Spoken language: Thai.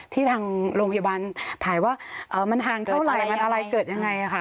ทางโรงพยาบาลถ่ายว่ามันห่างเท่าไหร่มันอะไรเกิดยังไงค่ะ